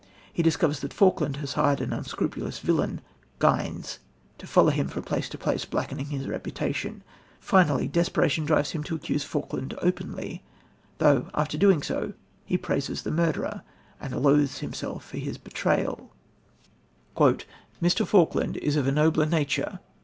He discovers that Falkland has hired an unscrupulous villain, Gines, to follow him from place to place, blackening his reputation. Finally desperation drives him to accuse Falkland openly, though, after doing so, he praises the murderer, and loathes himself for his betrayal: "Mr. Falkland is of a noble nature